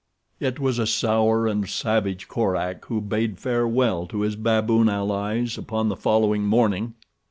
It was a sour and savage Korak who bade farewell to his baboon allies upon the following morning.